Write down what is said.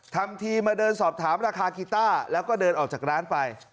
ทำทีมาเดินสอบถามราคากีต้าแล้วก็เดินออกจากร้านไป